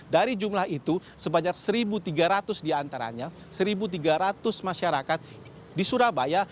dari jumlah itu sebanyak satu tiga ratus diantaranya satu tiga ratus masyarakat di surabaya